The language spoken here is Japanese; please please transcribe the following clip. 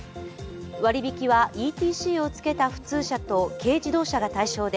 割引はＥＴＣをつけた普通車と軽自動車が対象で